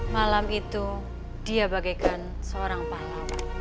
malam itu dia bagaikan seorang pahlawan